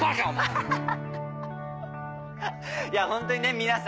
ハハハハいやホントにね皆さん。